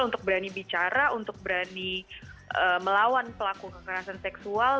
untuk berani bicara untuk berani melawan pelaku kekerasan seksual